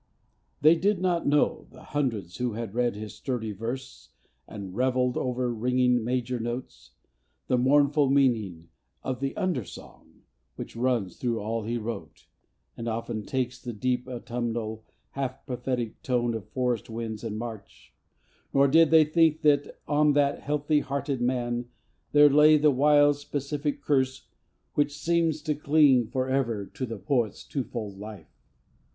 They did not know, The hundreds who had read his sturdy verse And revelled over ringing major notes, The mournful meaning of the undersong Which runs through all he wrote, and often takes The deep autumnal, half prophetic tone Of forest winds in March; nor did they think That on that healthy hearted man there lay The wild specific curse which seems to cling Forever to the Poet's twofold life!